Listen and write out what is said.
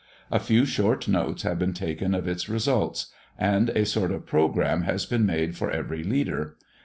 A few short notes have been taken of its results, and a sort of programme been made for every leader.